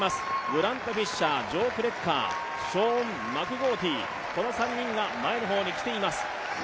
グラント・フィッシャー、ジョー・クレッカーショーン・マクゴーティー、この３人が前の方に来ています。